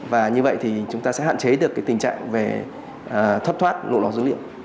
và như vậy thì chúng ta sẽ hạn chế được cái tình trạng về thất thoát lộ lọt dữ liệu